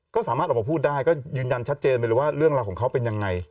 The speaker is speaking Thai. ก็สามารถออกมาพูดได้ก็ยืนยันชัดเจนไปเลยว่าเรื่องราวของเขาเป็นยังไง